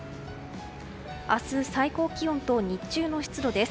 明日、最高気温と日中の湿度です。